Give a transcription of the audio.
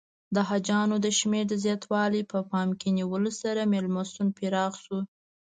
د حاجیانو د شمېر د زیاتوالي په پام کې نیولو سره میلمستون پراخ شو.